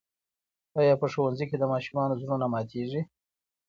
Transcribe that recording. آیا په ښوونځي کې د ماشومانو زړونه ماتېږي؟